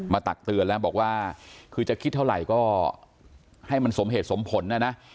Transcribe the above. ตักเตือนแล้วบอกว่าคือจะคิดเท่าไหร่ก็ให้มันสมเหตุสมผลนะนะ